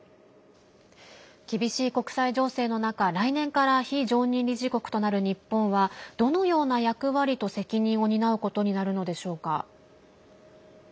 厳しい国際情勢の中、来年から非常任理事国となる日本はどのような役割と責任を担うことになるのでしょうか。